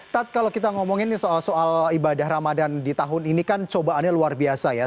tat kalau kita ngomongin soal ibadah ramadan di tahun ini kan cobaannya luar biasa ya